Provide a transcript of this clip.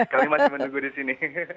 kali ini masih menunggu di sini